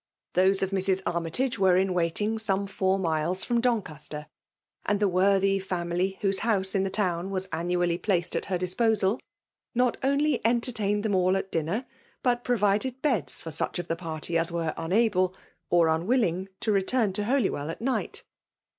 Those cS" Mta Aormytago were in waiting scHoe* fooB miles*, ficom Doncaster ; and the worthy family wkose honse in the town was< ammally placed at her disposal, not only entertained tihem alt at dinner, but provided beds for such of tha party as were unaUe, or unwHling, to return to Holywell at night.